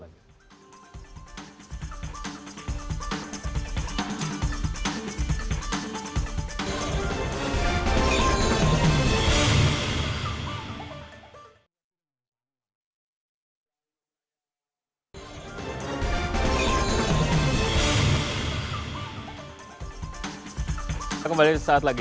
kita kembali di saat lagi